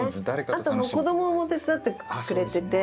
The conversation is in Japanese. あと子供も手伝ってくれてて。